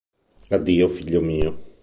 Addio, figlio mio!